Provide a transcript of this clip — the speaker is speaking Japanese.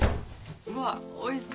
うわおいしそう。